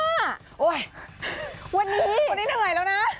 วันนี้วันนี้เหนื่อยแล้วนะ